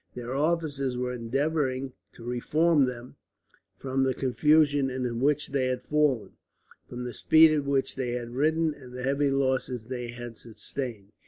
Their officers were endeavouring to reform them from the confusion into which they had fallen, from the speed at which they had ridden and the heavy losses they had sustained.